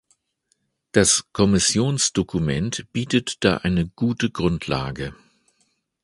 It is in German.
Das Kommissionsdokument bietet da eine gute Grundlage.